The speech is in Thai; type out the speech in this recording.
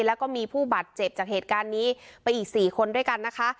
แล้วก็มีผู้บาดเจ็บจากเหตุการณ์นี้ไปอีก๔คนด้วยกันนะคะ